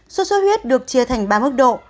suốt huyết được chia thành ba mức độ